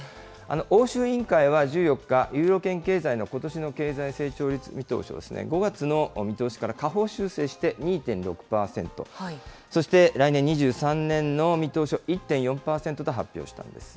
欧州委員会は１４日、ユーロ圏経済のことしの経済成長率見通しを５月の見通しから下方修正して、２．６％、そして来年２３年の見通しを１．４％と発表したんです。